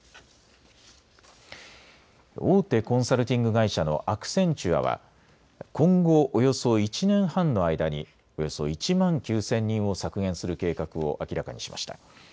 大手コンサルティング会社のアクセンチュアは今後、およそ１年半の間におよそ１万９０００人を削減する計画を明らかにしました。